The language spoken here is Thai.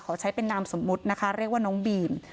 ใช้เป็นนามสมมุตินะคะเรียกว่าน้องบีม